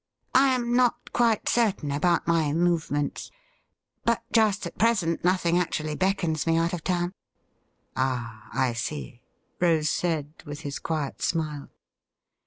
I am not quite certain about my movements ; but just at present nothing actually beckons me out of town.' ' Ah, I see,' Rose said, with his quiet smile.